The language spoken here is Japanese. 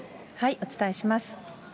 お伝えします。